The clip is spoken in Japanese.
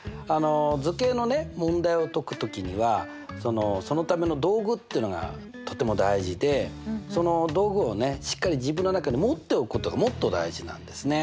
図形のね問題を解く時にはそのための道具っていうのがとても大事でその道具をしっかり自分の中に持っておくことがもっと大事なんですね。